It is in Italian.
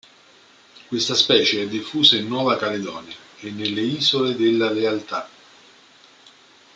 Questa specie è diffusa in Nuova Caledonia e nelle Isole della Lealtà.